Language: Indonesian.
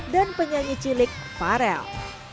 dan penyanyi cilik faren